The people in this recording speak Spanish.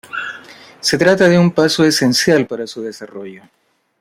Se trata de un paso esencial para su desarrollo.